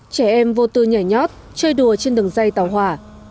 trẻ em vô tư nhảy nhót chơi đùa trên đường dây tàu hỏa